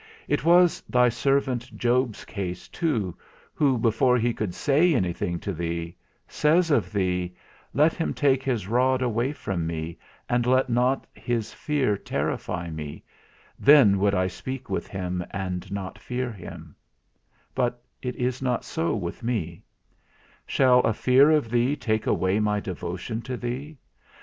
It was thy servant Job's case too, who, before he could say anything to thee, says of thee, _Let him take his rod away from me, and let not his fear terrify me, then would I speak with him, and not fear him; but it is not so with me_. Shall a fear of thee take away my devotion to thee?